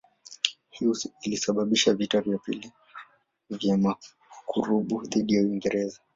Hii ilisababisha vita vya pili vya Makaburu dhidi ya Uingereza.